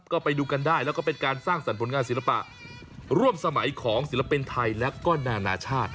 ก็ไปดูกันได้แล้วก็เป็นการสร้างสรรค์ผลงานศิลปะร่วมสมัยของศิลปินไทยและก็นานาชาติ